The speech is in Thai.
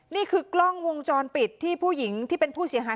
นี่คือกล้องวงจรปิดที่ผู้หญิงที่เป็นผู้เสียหาย